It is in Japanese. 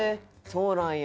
そうなんや。